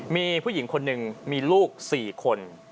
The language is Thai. มีผู้หญิงคนหนึ่งมีลูก๔คน